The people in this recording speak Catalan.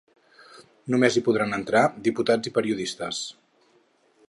Només hi podran entrar diputats i periodistes.